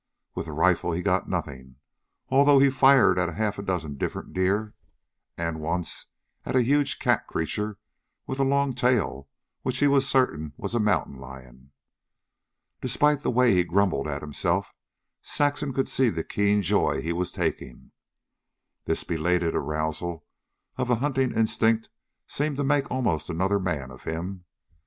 With the rifle he got nothing, although he fired at half a dozen different deer, and, once, at a huge cat creature with a long tail which he was certain was a mountain lion. Despite the way he grumbled at himself, Saxon could see the keen joy he was taking. This belated arousal of the hunting instinct seemed to make almost another man of him.